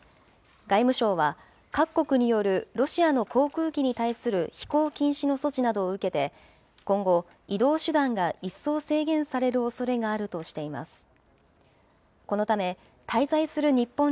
外務省は、各国によるロシアの航空機に対する飛行禁止の措置などを受けて、今後、移動手段が一層制限されるおそれがあるとしています。